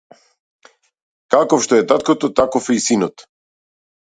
Каков што е таткото, таков е и синот.